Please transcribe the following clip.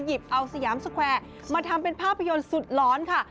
หยิบเอาสยามสแควร์มาทำเป็นภาพยนตร์สุดร้อนค่ะ